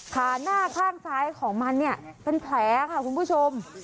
ผ้าน่าข้างซ้ายของมันเป็นแผลคุณผู้ชม